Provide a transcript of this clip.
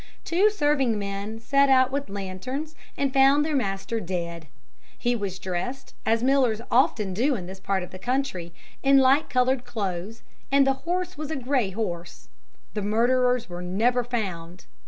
Two serving men set out with lanterns and found their master dead. He was dressed, as millers often do in this part of the country, in light coloured clothes, and the horse was a grey horse. The murderers were never found.